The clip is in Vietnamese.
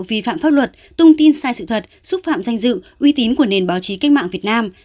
vi phạm pháp luật tung tin sai sự thật xúc phạm danh dự uy tín của nền báo chí cách mạng việt nam